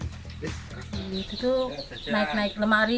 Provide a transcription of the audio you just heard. itu naik naik lemari